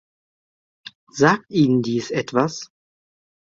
Sagt Ihnen dies etwas?